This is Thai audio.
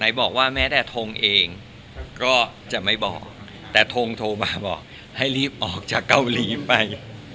บอกว่าแม้แต่ทงเองก็จะไม่บอกแต่ทงโทรมาบอกให้รีบออกจากเกาหลีไป